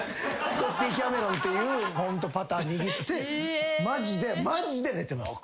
スコッティキャメロンっていうパター握ってマジでマジで寝てます。